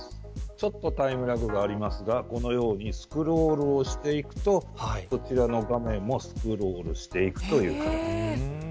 ちょっとタイムラグがありますがこのようにスクロールをしていくとこちらの画面もスクロールしていく。